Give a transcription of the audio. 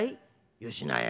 よしなよ。